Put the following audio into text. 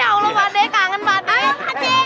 ya allah pak deh kangen pak deh